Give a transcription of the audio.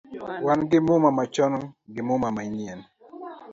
Wan gi muma machon gi muma manyien